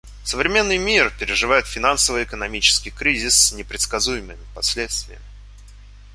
Современный мир переживает финансово-экономический кризис с непредсказуемыми последствиями.